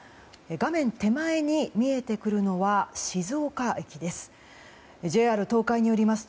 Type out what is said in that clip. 画面手前に見えてくるのは静岡駅です。